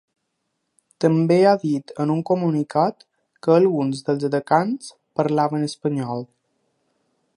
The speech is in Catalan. També ha dit en un comunicat que alguns dels atacants parlaven espanyol.